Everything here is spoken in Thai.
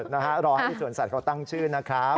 นะฮะรอให้สวนสัตว์เขาตั้งชื่อนะครับ